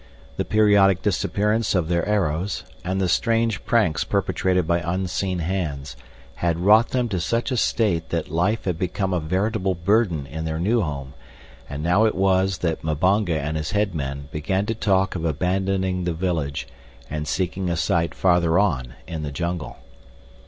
The periodic disappearance of their arrows, and the strange pranks perpetrated by unseen hands, had wrought them to such a state that life had become a veritable burden in their new home, and now it was that Mbonga and his head men began to talk of abandoning the village and seeking a site farther on in the jungle.